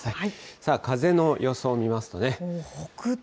さあ、風の予想見ますとね。